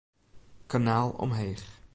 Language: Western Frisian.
Kanaal omheech.